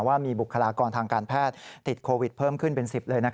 ว่ามีบุคลากรทางการแพทย์ติดโควิดเพิ่มขึ้นเป็น๑๐เลย